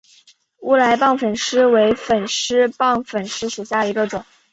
乌来棒粉虱为粉虱科棒粉虱属下的一个种。